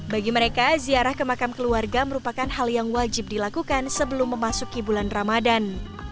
bagi mereka ziarah ke makam keluarga merupakan hal yang wajib dilakukan sebelum memasuki bulan ramadan